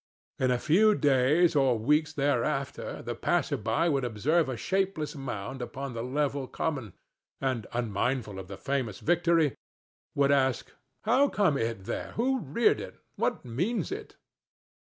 In a few days or weeks thereafter the passer by would observe a shapeless mound upon the level common, and, unmindful of the famous victory, would ask, "How came it there? Who reared it? And what means it?"